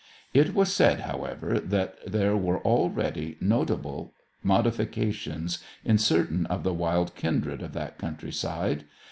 It was said, however, that there were already notable modifications in certain of the wild kindred of that countryside.